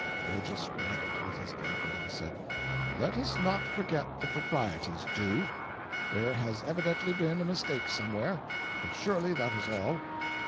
Burgess rapped with his gavel, and said: "Let us not forget the proprieties due. There has evidently been a mistake somewhere, but surely that is all.